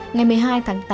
ngày một mươi hai tháng tám